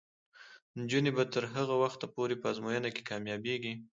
نجونې به تر هغه وخته پورې په ازموینو کې کامیابیږي.